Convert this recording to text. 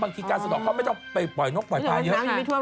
บางทีการสะดอกเขาไม่ต้องไปปล่อยนกปล่อยปลายเยอะแค่ไปไหว้